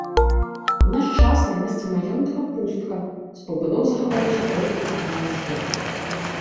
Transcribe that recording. У наш час на месцы маёнтка пустка, з пабудоў захаваўся толькі цагляны склеп.